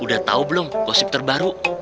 udah tahu belum gosip terbaru